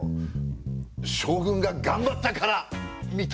将軍が頑張ったからみたいな。